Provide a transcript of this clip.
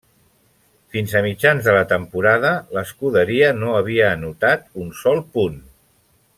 Fins a mitjans de la temporada, l'escuderia no havia anotat un sol punt.